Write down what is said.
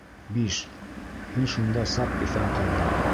— Биш. һин шунда саҡ иҫән ҡалдың.